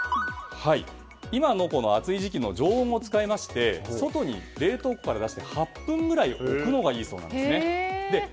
今の暑い時期の常温を使いまして冷凍庫から出して８分くらい置くのがいいそうなんですね。